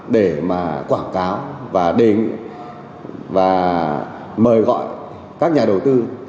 để mà quảng cáo và đề nghị và mời gọi các nhà đầu tư